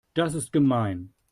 Das ist gemein.